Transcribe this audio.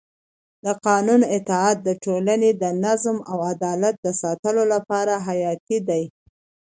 د قانون اطاعت د ټولنې د نظم او عدالت د ساتلو لپاره حیاتي دی